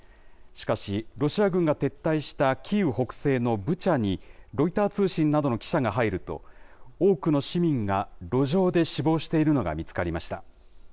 しかし、ロシア軍が撤退したキーウ北西のブチャに、ロイター通信などの記者が入ると、多くの市民が路上で死亡しているのが見つかりました。